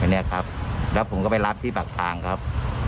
อันนี้ครับแล้วผมก็ไปรับที่ปากทางครับ